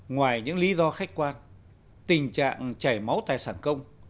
ngoài những lý do khách quan tình trạng chảy máu tài sản công